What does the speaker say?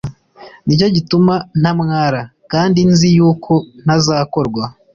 ni cyo gituma ntamwara, … kandi nzi yuko ntazakorwa